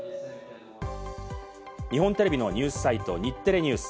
日本テレビのニュースサイト、日テレＮＥＷＳ。